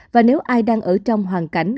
và nếu ai đang ở trong hoàn cảnh